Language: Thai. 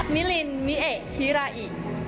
มิลินมิเอฮิราอิ